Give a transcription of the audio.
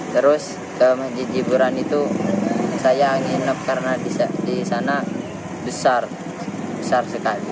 terus ke jiburan itu saya ingin enak karena di sana besar besar sekali